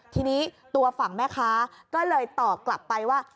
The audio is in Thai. ทีนี้ตัวฝั่งแม่ค้าก็เลยตอบกลับไปว่า